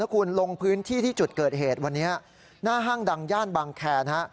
คุณลงพื้นที่ที่จุดเกิดเหตุวันนี้หน้าห้างดังย่านบางแคร์ฮะ